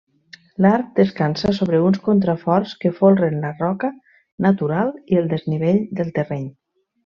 L'arc descansa sobre uns contraforts que folren la roca natural i el desnivell del terreny.